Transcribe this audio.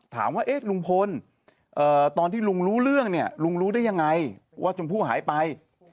ถามว่าลุงพลตอนที่ลุงรู้เรื่องเนี่ยลุงรู้ได้ยังไงว่าชมพู่หายไป